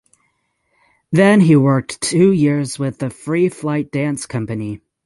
Then he worked two years with the Free Flight Dance Company.